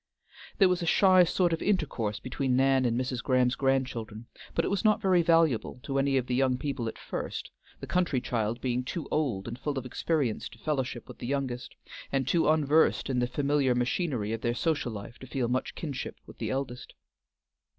There was a shy sort of intercourse between Nan and Mrs. Graham's grandchildren, but it was not very valuable to any of the young people at first, the country child being too old and full of experience to fellowship with the youngest, and too unversed in the familiar machinery of their social life to feel much kinship with the eldest.